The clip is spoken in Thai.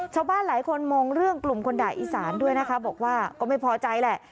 ชาวบ้านหลายคนมองเรื่องกลุ่มคนด่าอีสานด้วยนะคะบอกว่าก็ไม่พอใจแหละ